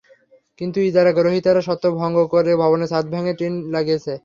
কিন্তু ইজারা গ্রহীতারা শর্ত ভঙ্গ করে ভবনের ছাদ ভেঙে টিন লাগিয়েছে।